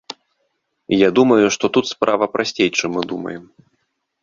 Я думаю, што тут справа прасцей чым мы думаем.